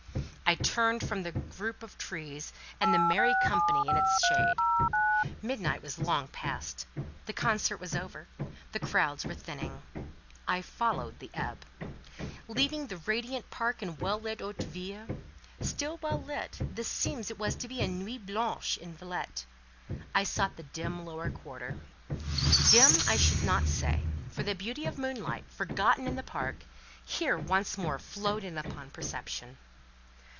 I turned from the group of trees and the "merrie companie" in its shade. Midnight was long past; the concert was over, the crowds were thinning. I followed the ebb. Leaving the radiant park and well lit Haute Ville (still well lit, this it seems was to be a "nuit blanche" in Villette), I sought the dim lower quarter. Dim I should not say, for the beauty of moonlight—forgotten in the park—here once more flowed in upon perception.